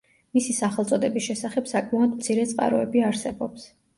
მისი სახელწოდების შესახებ საკმაოდ მცირე წყაროები არსებობს.